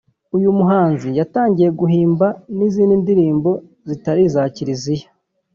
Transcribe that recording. uyu muhanzi yatangiye guhimba n’izindi ndirimbo zitari iza Kiriziya